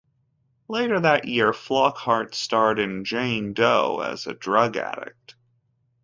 Later that year, Flockhart starred in "Jane Doe" as a drug addict.